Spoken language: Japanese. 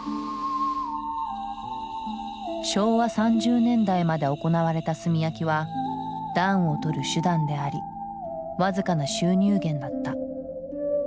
昭和３０年代まで行われた炭焼きは暖をとる手段であり僅かな収入源だった。